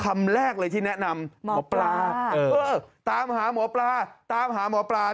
คำแรกเลยที่แนะนำหมอปลาตามหาหมอปลาตามหาหมอปลา